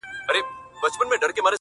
غیږي ته مي راسي مینه مینه پخوانۍ -